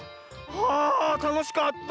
はあたのしかった。